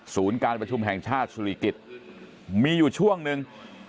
การประชุมแห่งชาติสุริกิจมีอยู่ช่วงหนึ่ง